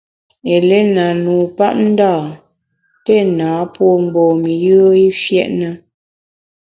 Eléna, nupapndâ, téna pô mgbom-i yùe i fiét na.